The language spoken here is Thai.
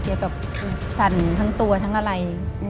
แบบสั่นทั้งตัวทั้งอะไร